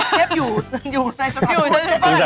เชฟอยู่ในสถานทูนครับ